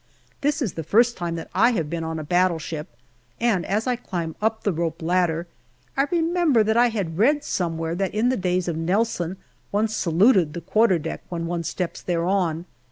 This is the first time that I have been on a battleship, and as I climb up the rope ladder, I remember that I had read somewhere that in the days of Nelson one saluted the quarter deck when one steps thereon.